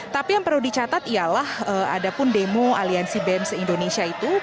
tapi yang perlu dicatat ialah ada pun demo aliansi bem se indonesia itu